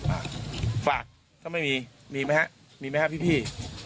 อ่าฝากถ้าไม่มีมีไหมฮะมีไหมฮะพี่